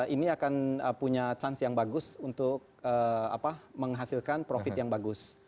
ini akan punya chance yang bagus untuk menghasilkan profit yang bagus